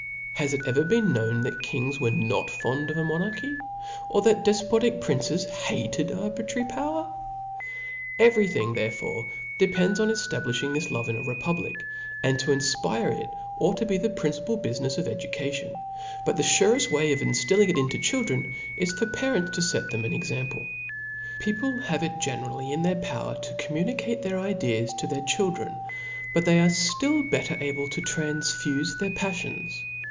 Has it ever been heard that kings Were not fond of monarchy, or that defpotic princes hated aibi* trary power ? Every thing therefore depends on eftablifhing this love in a republic ; and to infpire it ought to be the principal bufinefs of educatioti: but the fureft way of inftilling it into children, is for pa rents to fet them an example. People have k generally in their power fo com municate their, ideas to their children j but they ^ ftill better able to transfufe their paflions.